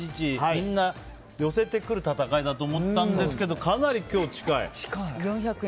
みんな寄せてくる戦いだと思ったんですけどかなり今日、近い。